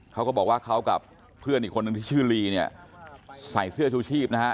เขาก็บอกว่าเขากับเพื่อนอีกคนนึงที่ชื่อลีเนี่ยใส่เสื้อชูชีพนะฮะ